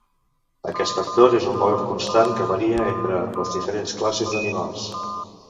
Aquest factor és un valor constant que varia entre les diferents classes d'animals.